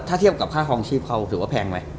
ถ้าเทียบกับค่าคลองชีพเขาถือว่าแพงไหม